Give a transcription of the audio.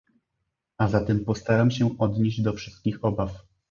A zatem postaram się odnieść do wszystkich obaw